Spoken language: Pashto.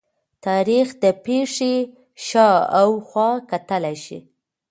تاریخ د پېښې شا او خوا کتلي شي.